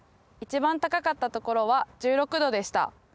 一番高かったところは１６℃でした。